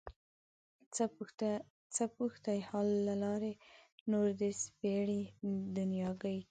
څه پوښتې حال له لاروي نور د سپېرې دنياګۍ